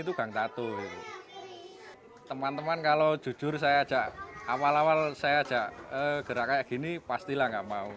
itu gang tatu teman teman kalau jujur saya ajak awal awal saya ajak gerak kayak gini pastilah nggak mau